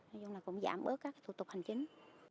nói chung là cũng giảm bớt các thủ tục hành chính